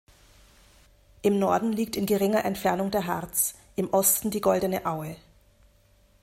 Im Norden liegt in geringer Entfernung der Harz, im Osten die Goldene Aue.